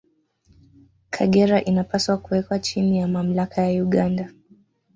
Kagera inapaswa kuwekwa chini ya mamlaka ya Uganda